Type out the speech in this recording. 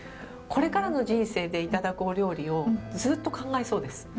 これからの人生で頂くお料理をずっと考えそうです。